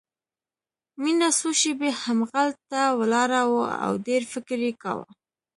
مينه څو شېبې همهغلته ولاړه وه او ډېر فکر يې کاوه.